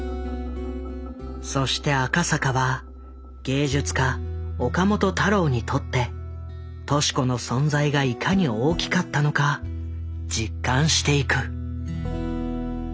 そして赤坂は芸術家岡本太郎にとって敏子の存在がいかに大きかったのか実感していく。